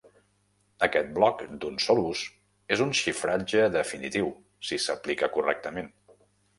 Aquest bloc d'un sol ús és un xifratge definitiu, si s'aplica correctament.